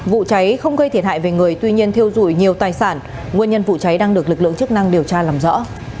vụ cháy không gây thiệt hại về người tuy nhiên thiêu dụi nhiều tài sản nguyên nhân vụ cháy đang được lực lượng chức năng điều tra làm rõ